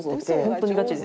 本当にガチで。